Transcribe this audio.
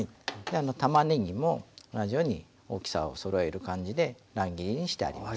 たまねぎも同じように大きさをそろえる感じで乱切りにしてあります。